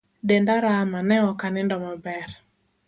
Denda rama ne ok anindo maber